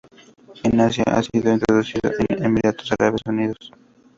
En Asia ha sido introducido en Emiratos Árabes Unidos.